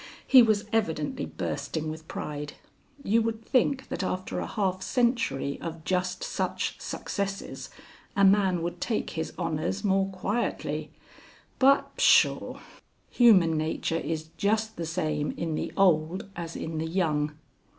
He was evidently bursting with pride. You would think that after a half century of just such successes, a man would take his honors more quietly. But pshaw! Human nature is just the same in the old as in the young.